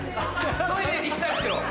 トイレに行きたいんですけど。